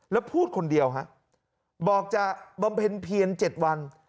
แล้วพูดคนเดียวฮะบอกจะบำเพ็ญเพียร๗วัน